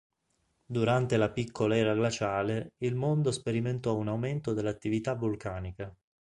Durante la piccola era glaciale il mondo sperimentò un aumento dell'attività vulcanica.